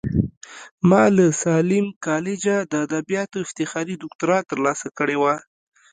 ما له ساليم کالجه د ادبياتو افتخاري دوکتورا ترلاسه کړې وه.